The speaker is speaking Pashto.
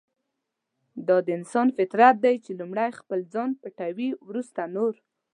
دا د انسان فطرت دی چې لومړی خپل ځان پټوي ورسته نور.